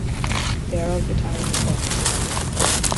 They are of Italian descent.